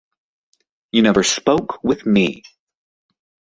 You never spoke with me.